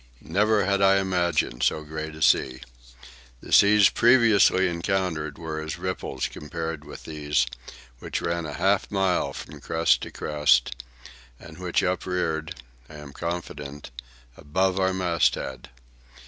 Never had I imagined so great a sea. The seas previously encountered were as ripples compared with these, which ran a half mile from crest to crest and which upreared, I am confident, above our masthead.